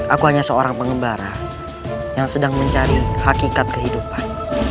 aku hanya seorang pengembara yang sedang mencari hakikat kehidupan